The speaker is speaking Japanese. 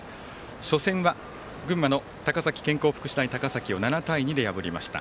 初戦は群馬の高崎健康福祉大高崎を７対２で破りました。